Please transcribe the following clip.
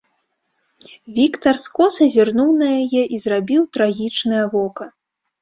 Віктар скоса зірнуў на яе і зрабіў трагічнае вока.